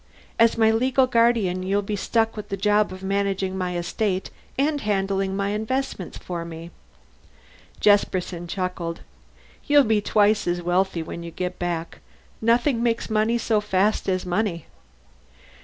As my legal guardian you'll be stuck with the job of managing my estate and handling investments for me." Jesperson chuckled. "You'll be twice as wealthy when you get back! Nothing makes money so fast as money."